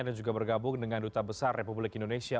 dan juga bergabung dengan duta besar republik indonesia